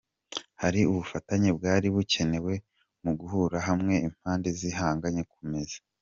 Hari ubufatanye bwari bukenewe mu guhuriza hamwe impande zihanganye ku meza.